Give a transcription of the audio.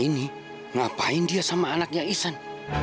ibu aini ngapain dia sama anaknya isan